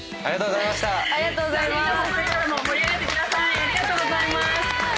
ありがとうございます。